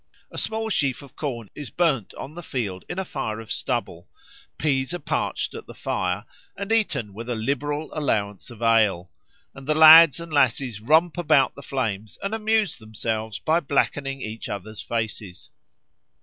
A small sheaf of corn is burnt on the field in a fire of stubble; peas are parched at the fire and eaten with a liberal allowance of ale; and the lads and lasses romp about the flames and amuse themselves by blackening each other's faces.